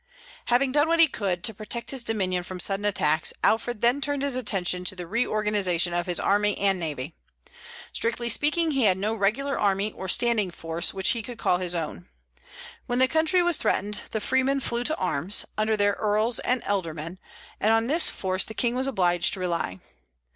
Having done what he could to protect his dominion from sudden attacks, Alfred then turned his attention to the reorganization of his army and navy. Strictly speaking he had no regular army, or standing force, which he could call his own. When the country was threatened the freemen flew to arms, under their eorls and ealdormen; and on this force the king was obliged to rely.